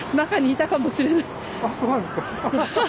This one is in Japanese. あっそうなんですか。